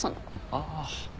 ああ。